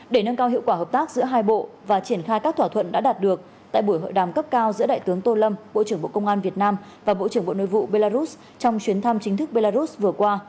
để nâng cao hiệu quả hợp tác giữa hai bộ và triển khai các thỏa thuận đã đạt được tại buổi hội đàm cấp cao giữa đại tướng tô lâm bộ trưởng bộ công an việt nam và bộ trưởng bộ nội vụ belarus trong chuyến thăm chính thức belarus vừa qua